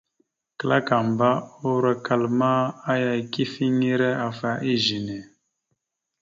Klakamba urokal ma, aya ikefiŋire afa ezine.